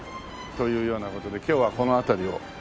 というような事で今日はこの辺りを。